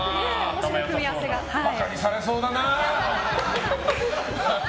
バカにされそうだな！